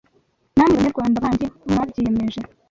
Namwe Banyarwanda bandi mwabyiyemeje